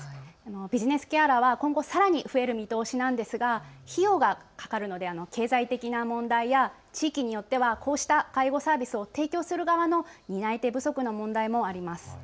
ビジネスケアラーは今後、さらに増える見通しなんですが費用がかかるので経済的な問題や地域によってはこうした介護サービスを提供する側の担い手不足の問題もあります。